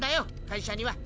会社には。